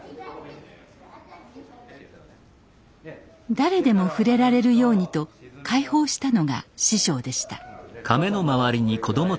誰でも触れられるようにと開放したのが師匠でした。